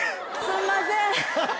すんません。